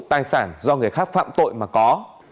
tài sản do người khác phạm tội mà có